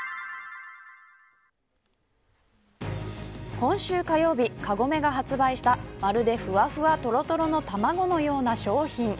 今週火曜日、カゴメが発売したまるで、ふわふわとろとろの卵のような商品。